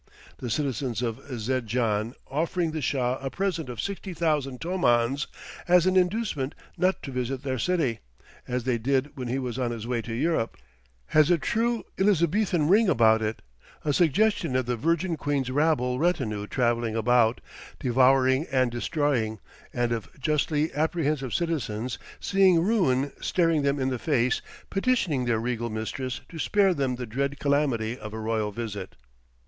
The citizens of Zendjan offering the Shah a present of 60,000 tomans, as an inducement not to visit their city, as they did when he was on his way to Europe, has a true Elizabethan ring about it, a suggestion of the Virgin Queen's rabble retinue travelling about, devouring and destroying, and of justly apprehensive citizens, seeing ruin staring them in the face, petitioning their regal mistress to spare them the dread calamity of a royal visit.